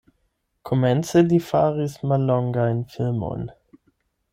Komence li faris mallongajn filmojn.